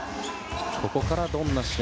ここからどんな試合